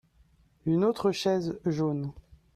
Une autre chaise jaune.